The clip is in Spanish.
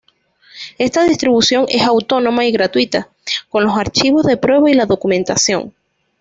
Esta distribución es autónoma y gratuita, con los archivos de prueba y la documentación.